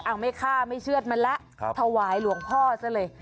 เอาไม่ฆ่าไม่เชื่อดมันแล้วถวายหลวงพ่อซะเลย